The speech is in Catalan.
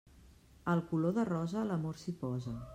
Al color de rosa, l'amor s'hi posa.